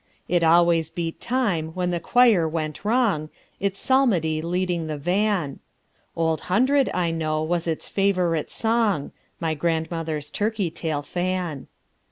It always beat time when the choir went wrong, In psalmody leading the van. Old Hundred, I know, was its favorite song My grandmother's turkey tail fan.